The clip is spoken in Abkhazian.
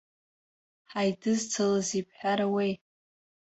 Ҳидызцалазеи бҳәарауеи.